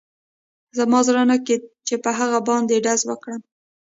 زما زړه نه کېده چې په هغه باندې ډز وکړم